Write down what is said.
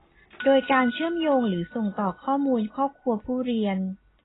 โดยการเชื่อมโยงหรือส่งต่อข้อมูลครอบครัวผู้เรียน